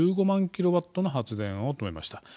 キロワットの発電を止めました。